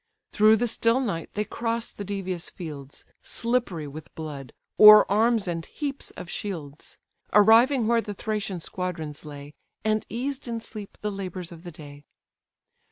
Through the still night they cross the devious fields, Slippery with blood, o'er arms and heaps of shields, Arriving where the Thracian squadrons lay, And eased in sleep the labours of the day.